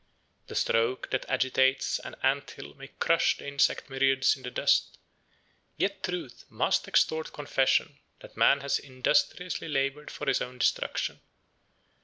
The stroke that agitates an ant hill may crush the insect myriads in the dust; yet truth must extort confession that man has industriously labored for his own destruction.